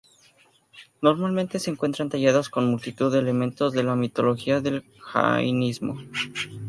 Normalmente se encuentran talladas con multitud de elementos de la mitología del jainismo.